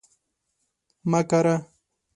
مه کره